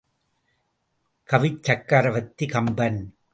கவிச் சக்ரவர்த்தி கம்பன்.